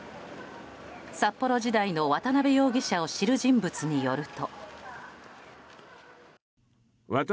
札幌時代の渡邉容疑者を知る人物によると。